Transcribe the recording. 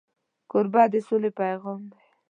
کوربه د سولې پیغام دی.